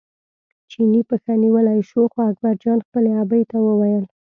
چیني پښه نیولی شو خو اکبرجان خپلې ابۍ ته وویل.